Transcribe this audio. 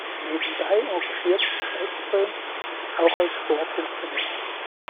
Nebenbei engagierte sich Edström auch als Sportfunktionär.